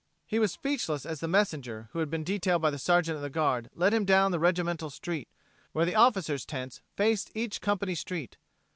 He was speechless as the messenger who had been detailed by the Sergeant of the Guard led him down the regimental street, where the officers' tents faced each company street.